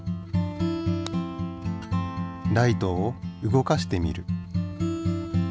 ライトを動かしてみる。